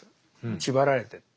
縛られてて。